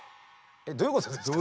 どういうことですか？